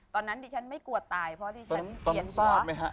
ตอนนั้นดิฉันไม่กลัวตายเพราะดิฉันเขียนว่า